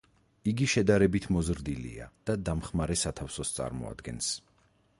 იგი შედარებით მოზრდილია და დამხმარე სათავსს წარმოადგენს.